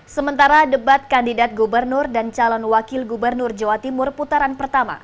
sementara debat kandidat gubernur dan calon wakil gubernur jawa timur putaran pertama